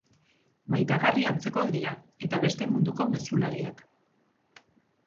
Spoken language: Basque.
Maitagarri antzekoak dira eta beste munduko mezulariak.